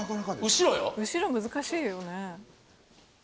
後ろ難しいよね